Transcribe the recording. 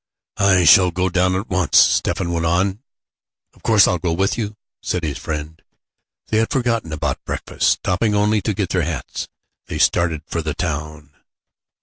"I shall go down at once," Stephen went on. "Of course I'll go with you," said his friend. They had forgotten about breakfast. Stopping only to get their hats, they started for the town.